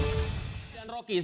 kapan yang berupaya di pradap